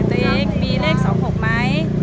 เต๋คมีเลข๒หกไหม